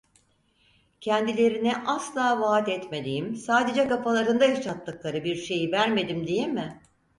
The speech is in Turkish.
Kendilerine asla vaat etmediğim, sadece kafalarında yaşattıkları bir şeyi vermedim diye mi?